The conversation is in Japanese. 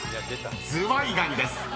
［ズワイガニです］